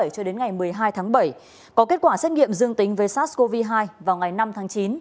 cho đến ngày một mươi hai tháng bảy có kết quả xét nghiệm dương tính với sars cov hai vào ngày năm tháng chín